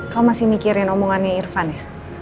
kau masih mikirin omongannya irfan ya